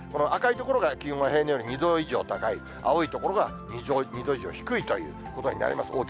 赤い所が気温が平年より２度以上高い、青い所が２度以上低いということになります。